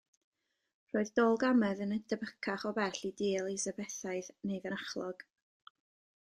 Roedd Dôl Gamedd yn debycach o bell i dŷ Elizabethaidd neu fynachlog.